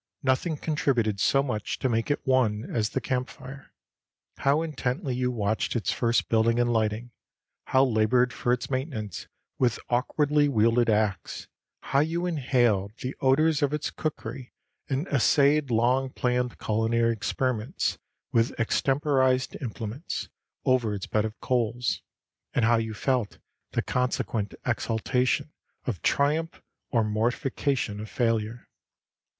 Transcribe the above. Nothing contributed so much to make it one as the camp fire. How intently you watched its first building and lighting, how labored for its maintenance with awkwardly wielded axe, how you inhaled the odors of its cookery and essayed long planned culinary experiments with extemporized implements, over its beds of coals, and how you felt the consequent exaltation of triumph or mortification of failure.